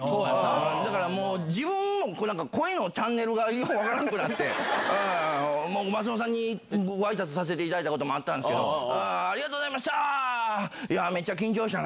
だからもう、自分も、声のチャンネルがよく分からんくなって、もう松本さんにごあいさつさせていただいたこともあったんですけど、ありがとうございました。